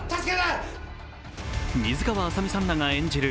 水川あさみさんらが演じる